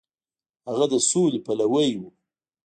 هغه د سولې پلوی و.